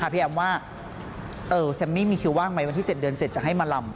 แอมว่าแซมมี่มีคิวว่างไหมวันที่๗เดือน๗จะให้มาลำ